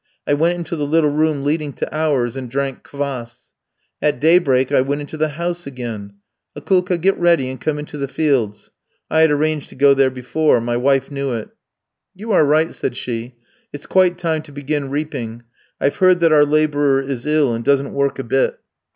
I went into the little room leading to ours and drank kwass. At daybreak I went into the house again. 'Akoulka, get ready and come into the fields.' I had arranged to go there before; my wife knew it. "'You are right,' said she. 'It's quite time to begin reaping. I've heard that our labourer is ill and doesn't work a bit.'